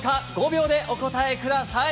５秒でお答えください。